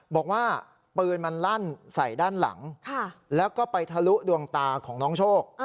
บอกว่าปืนมันลั่นใส่ด้านหลังแล้วก็ไปทะลุดวงตาของน้องโชค